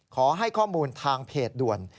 ขอให้ข้อมูลทางเพจด่วน